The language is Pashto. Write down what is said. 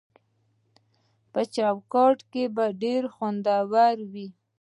په چوکاټ کې به خوندي وي